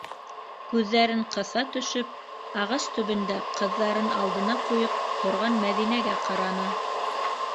Күҙҙәрен ҡыҫа төшөп, ағас төбөндә ҡыҙҙарын алдына ҡуйып торған Мәҙинәгә ҡараны.